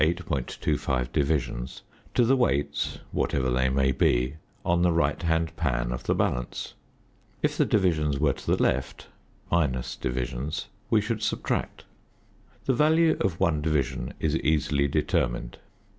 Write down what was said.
25 divisions to the weights, whatever they may be on the right hand pan of the balance; if the divisions were to the left ( divisions) we should subtract. The value of 1 division is easily determined.